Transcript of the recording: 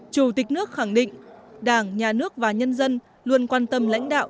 chủ tịch nước khẳng định đảng nhà nước và nhân dân luôn quan tâm lãnh đạo